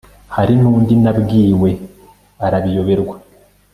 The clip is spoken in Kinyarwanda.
hari n'undi nabwiwe arabiyoberwa